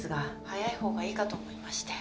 早い方がいいかと思いまして。